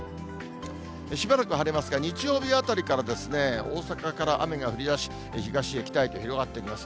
しばらく晴れますが、日曜日あたりから大阪から雨が降りだし、東へ北へと広がってきます。